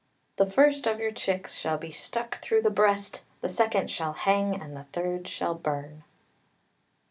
The first of your chicks shall be stuck through the breast The second shall hang and the third shall burn."